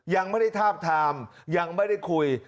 ยังไม่ได้ทาบทามยังไม่ได้คุย